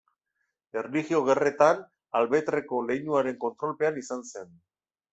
Erlijio Gerretan Albreteko leinuaren kontrolpean izan zen.